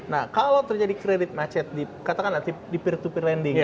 nah kalau terjadi kredit macet katakan nanti di peer to peer lending